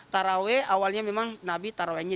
taraweeh awalnya memang nabi taraweehnya